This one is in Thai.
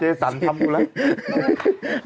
เจษัตริย์สรรค์เป็นอย่างไรเจษัตริย์สรรค์ทำคุณล่ะ